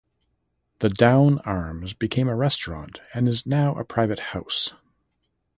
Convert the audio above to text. The Downe Arms became a restaurant and is now a private house.